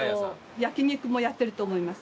焼肉もやってると思います。